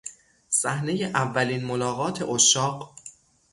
صحنهی اولین ملاقات عشاق